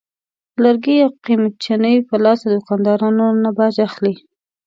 لرګي او قمچینې په لاس د دوکاندارانو نه باج اخلي.